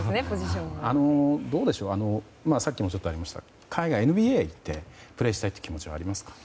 さっきもちょっとありましたが海外ＮＢＡに行ってプレーしたい気持ちはありますか？